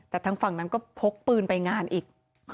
แต่ทางฝั่งนั้นก็พกปืนไปงานอีก